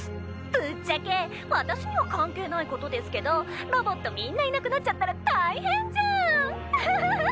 ぶっちゃけ私には関係ないことですけどロボットみんないなくなっちゃったら大変じゃんアハハハ！